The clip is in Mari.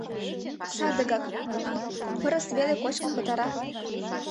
— Садыгак, — манам, — пырыс веле кочкын пытара.